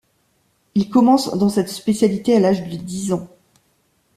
Il commence dans cette spécialité à l'âge de dix ans.